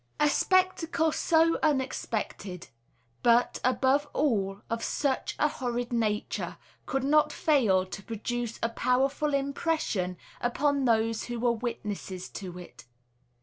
A spectacle so unexpected, but, above all, of such a horrid nature, could not fail to produce a powerful impression upon those who were witnesses to it.